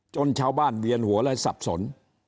ชาวบ้านเวียนหัวและสับสน